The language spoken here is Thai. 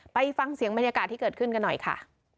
ไปฟังเสียงบรรยากาศที่เกิดขึ้นกันหน่อยค่ะ